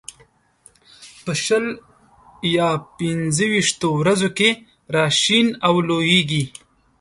په شل یا پنځه ويشتو ورځو کې را شین او لوېږي.